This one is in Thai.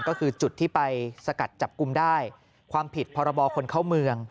ก็คือจุดที่ไปสกัดจับกลุ่มได้ความผิดพรบคนเข้าเมือง